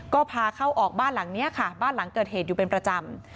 ก็พาเข้าออกบ้านหลังนี้ค่ะบ้านหลังเกิดเหตุอยู่เป็นประจำ